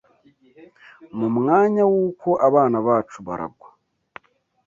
mu mwanya w’uko abana bacu baragwa